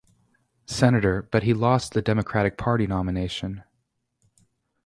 Senator, but he lost the Democratic Party nomination.